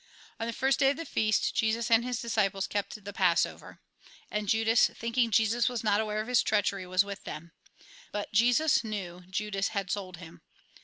On the first day of the feast, Jesus and his dis ciples kept the Passover. And Judas, thinking Jesus was not aware of his treachery, was with them. But Jesus knew Judas had sold him.